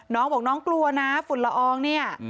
น้องบอกน้องกลัวนะฝุ่นละอองเนี่ย